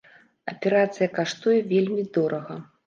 Аперацыя каштуе вельмі дорага.